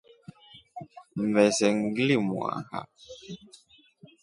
Mvese nglimwaha.